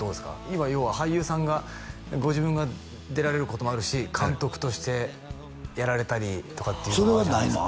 今要は俳優さんがご自分が出られることもあるし監督としてやられたりとかっていうのもそれはないの？